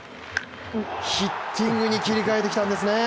ヒッティングに切り替えてきたんですね